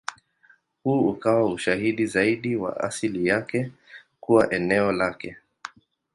Huu ukawa ushahidi zaidi wa asili yake kuwa eneo lake.